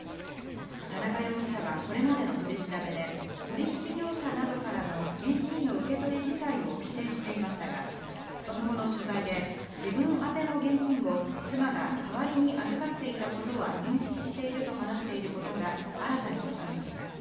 田中容疑者はこれまでの取り調べで、取引業者などからの現金の受け取り自体を否定していましたが、その後の取材で自分宛ての現金を妻が代わりに預かっていたことは認識していると話していることが新たに分かりました。